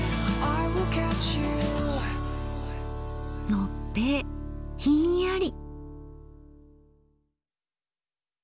のっぺいひんやり。